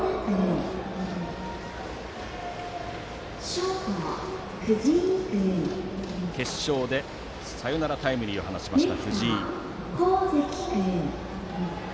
ショートの藤井は決勝でサヨナラタイムリーを放ちました。